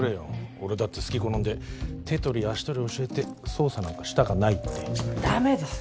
俺だってすき好んで手取り足取り教えて捜査なんかしたかないってダメです